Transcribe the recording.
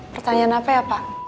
pertanyaan apa ya pak